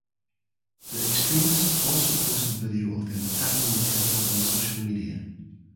The extremists also posted video of them attacking the temple on social media.